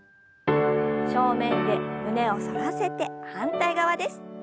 正面で胸を反らせて反対側です。